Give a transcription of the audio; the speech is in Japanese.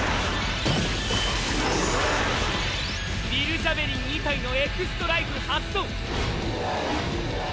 ヴィルジャベリン２体のエクストライフ発動。